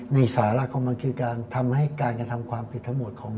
สาระของมันคือการทำให้การกระทำความผิดทั้งหมดของ